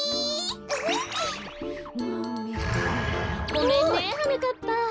ごめんねはなかっぱ。